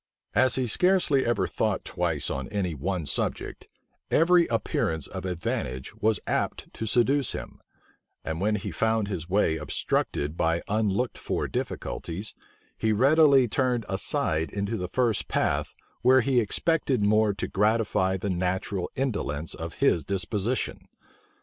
As he scarcely ever thought twice on any one subject, every appearance of advantage was apt to seduce him; and when he found his way obstructed by unlooked for difficulties, he readily turned aside into the first path, where he expected more to gratify the natural indolence of his disposition.